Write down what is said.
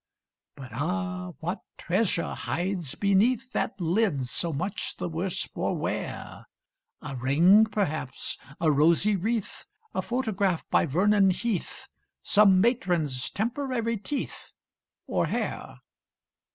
But ah! what treasure hides beneath That lid so much the worse for wear? A ring perhaps a rosy wreath A photograph by Vernon Heath Some matron's temporary teeth Or hair!